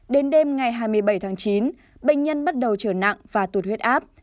đến đêm ngày hai mươi bảy tháng chín bệnh nhân bắt đầu trở nặng và tụt huyết áp